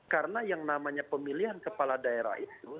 karena yang namanya pemilihan kepala daerah itu